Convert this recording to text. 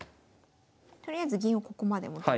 とりあえず銀をここまで持っていくんですね。